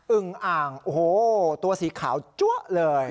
ึงอ่างโอ้โหตัวสีขาวจั๊วเลย